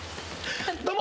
どうも。